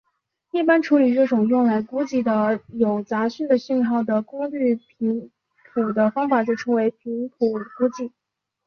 一般处理这种用来估计有杂讯的讯号的功率频谱的方法就称为频谱估计。